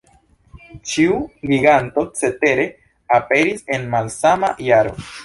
Ĉiu giganto cetere aperis en malsama jaro.